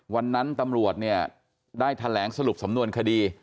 วันนั้นตำรวจเนี่ยได้แถลงสรุปสำนวนคดี